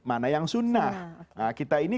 mana yang sunnah kita ini